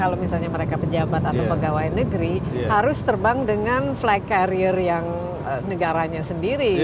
kalau misalnya mereka pejabat atau pegawai negeri harus terbang dengan flag carrier yang negaranya sendiri